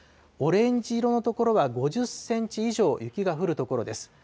オレンジ色の所は、５０センチ以上雪が降る所です。